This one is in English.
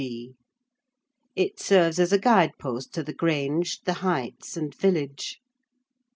G. It serves as a guide post to the Grange, the Heights, and village.